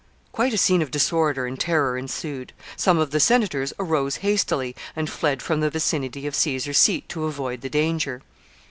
Quite a scene of disorder and terror ensued. Some of the senators arose hastily and fled from the vicinity of Caesar's seat to avoid the danger.